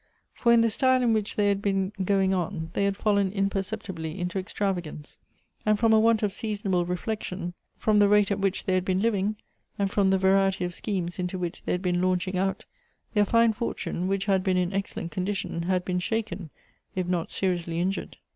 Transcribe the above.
For in the style in which they had been going on, they had fallen imperceptibly into extravagance ; and from a want of seasonable reflection, from the rate at 138 Goethe's ■which they had been living, and from the variety of schemes into which they had been launching out, their fine fortune, which had been in excellent condition, had been shaken, if not seriously injured.